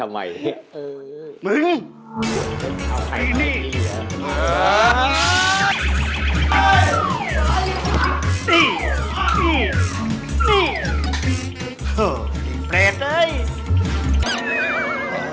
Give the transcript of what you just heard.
เฮ่ยเฮ่ยเฮ่ย